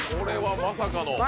まさかの。